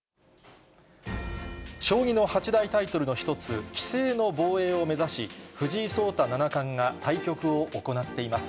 将棋の八大タイトルの一つ、棋聖の防衛を目指し、藤井聡太七冠が対局を行っています。